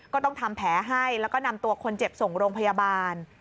ก็ต้องทำแผลให้แล้วก็นำตัวคนเจ็บส่งโรงพยาบาล